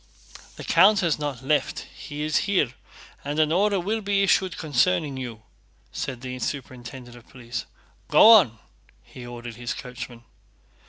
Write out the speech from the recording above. "The count has not left, he is here, and an order will be issued concerning you," said the superintendent of police. "Go on!" he ordered his coachman.